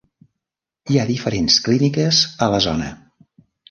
Hi ha diferents clíniques a la zona.